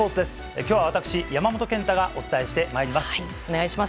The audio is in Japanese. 今日は、山本健太がお伝えしてまいります。